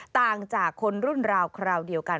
ต่างจากคนรุ่นราวคราวเดียวกัน